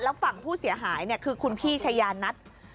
แล้วฝั่งผู้เสียหายคือคุณพี่ชายานัท